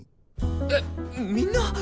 えみんな！